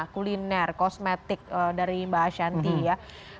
kuliner kosmetik dari mbak ashanti ya